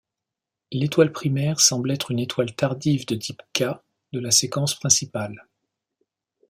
L'étoile primaire semble être une étoile tardive de type K de la séquence principale.